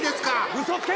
うそつけ！